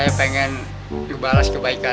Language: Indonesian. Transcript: saya pengen dibalas kebaikan saya